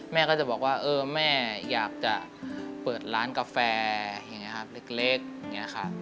แม่ก็จะบอกว่าแม่อยากจะเปิดร้านกาแฟเล็กอย่างนี้ค่ะ